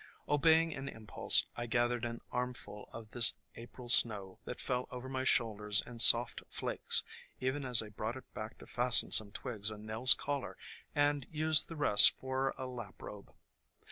Obeying an impulse, I gathered an armful of this April snow that fell over my shoulders in soft .flakes even as I brought it back to fasten some twigs on Nell's collar and use the rest for a lap robe.